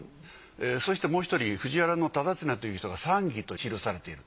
そしてもう１人藤原忠経という人が参議と記されている。